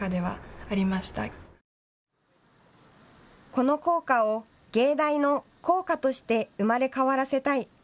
この校歌を藝大の校歌として生まれ変わらせたい。